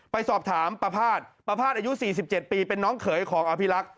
ไปสอบถามประพาทประพาทอายุ๔๗ปีเป็นน้องเขยของอภิรักษ์